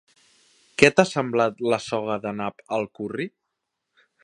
Què t'ha semblat la soga de nap al curri?